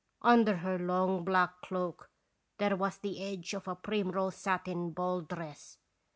Under her long, black cloak there was the edge of a primrose satin ball dress.